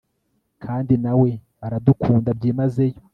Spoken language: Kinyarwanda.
kandi na we aradukunda byimazeyo